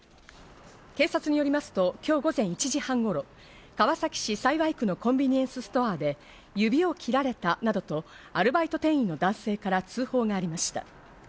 警察によりますと今日午前１時半頃、川崎市幸区のコンビニエンスストアで指を切られたなどと、アルバイト店員の男性から通報がありました。